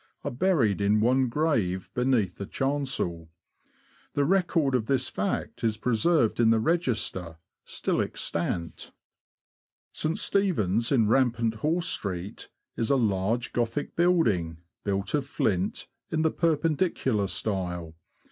are buried in one grave beneath the chancel ; the record of this fact is preserved in the register, still extant. St. Stephen's, in Rampant Horse Street, is a large Gothic building, built of flint, in the Perpendicular style.